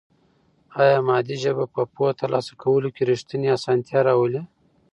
آیا مادي ژبه په پوهه ترلاسه کولو کې رښتینې اسانتیا راولي؟